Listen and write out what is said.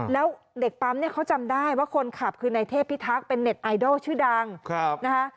แล้วเด็กปั๊มเนี่ยเขาจำได้ว่าคนขับคือในเทพิทักษ์เป็นเน็ตไอดอลชื่อดังนะคะ